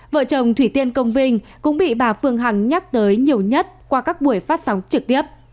vợ chồng thủy tiên công vinh cũng bị bà phương hằng nhắc tới nhiều nhất qua các buổi phát sóng trực tiếp